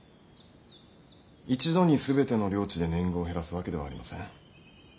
一度に全ての領地で年貢を減らすわけではありません。